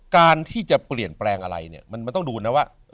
การที่จะเปลี่ยนแปลงอะไรเนี่ยมันต้องดูนะว่า